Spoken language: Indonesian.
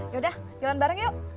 yaudah jalan bareng yuk